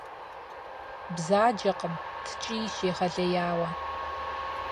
Бзаджэкъым, ткӀийщ егъэлеяуэ.